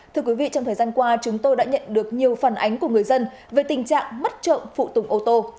thưa quý vị trong thời gian qua chúng tôi đã nhận được nhiều phản ánh của người dân về tình trạng mất trộm phụ tùng ô tô